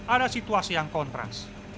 ada situasi yang kontras